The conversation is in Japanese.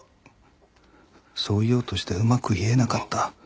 そう言おうとしてうまく言えなかった。